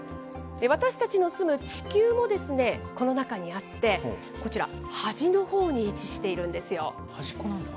私たちの住む地球もこの中にあって、こちら、端のほうに位置して端っこなんだ。